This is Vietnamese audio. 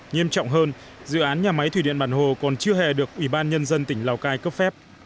nghiêm trọng hơn dự án nhà máy thủy điện bản hồ còn chưa hề được ủy ban nhân dân tỉnh lào cai cấp phép